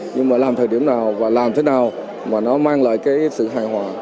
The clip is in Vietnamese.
nhưng mà làm thời điểm nào và làm thế nào mà nó mang lại cái sự hài hòa